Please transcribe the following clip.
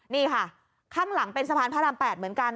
นี่ค่ะข้างหลังเป็นสะพานพระราม๘เหมือนกัน